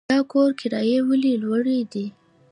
د کور کرایې ولې لوړې دي؟